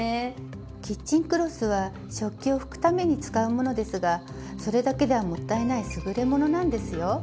キッチンクロスは食器を拭くために使うものですがそれだけではもったいないすぐれものなんですよ。